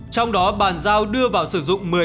trong đó bàn giao đưa vào sử dụng